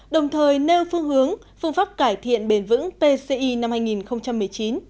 đồng thời nêu phương hướng phương pháp cải thiện bền vững pci năm hai nghìn một mươi chín